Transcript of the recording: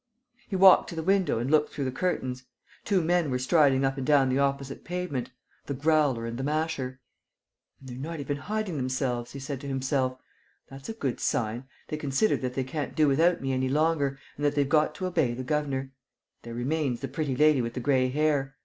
He walked to the window and looked through the curtains. Two men were striding up and down the opposite pavement: the Growler and the Masher. "And they're not even hiding themselves," he said to himself. "That's a good sign. They consider that they can't do without me any longer and that they've got to obey the governor. There remains the pretty lady with the gray hair.